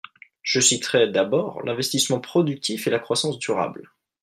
Je citerai, d’abord, l’investissement productif et la croissance durable.